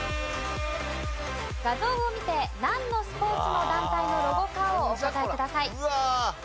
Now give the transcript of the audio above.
画像を見てなんのスポーツの団体のロゴかをお答えください。